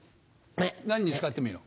何に使ってもいいの？